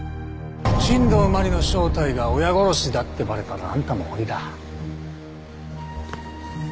新道真理の正体が親殺しだってバレたらあんたも終わりだ。